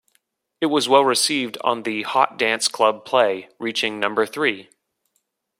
It was well received on the Hot Dance Club Play, reaching number three.